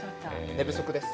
寝不足です。